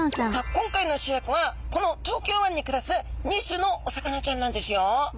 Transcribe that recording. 今回の主役はこの東京湾に暮らす２種のお魚ちゃんなんですよ。